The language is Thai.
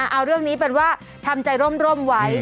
เอาเรื่องนี้เป็นว่าทำใจร่มไว้